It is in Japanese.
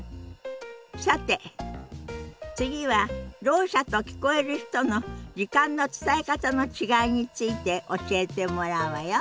さて次はろう者と聞こえる人の時間の伝え方の違いについて教えてもらうわよ。